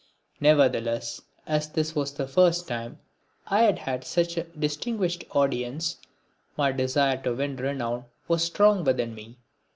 Nevertheless, as this was the first time I had had such a distinguished audience, my desire to win renown was strong within me.